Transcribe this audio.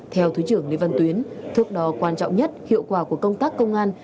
theo thứ trưởng lê văn tuyến thuốc đó quan trọng nhất hiệu quả của công tác công an